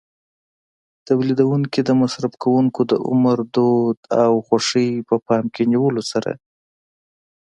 تولیدوونکي د مصرف کوونکو د عمر، دود او خوښۍ په پام کې نیولو سره.